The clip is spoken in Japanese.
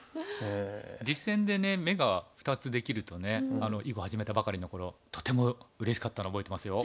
実戦でね眼が２つできるとね囲碁始めたばかりの頃とてもうれしかったの覚えてますよ。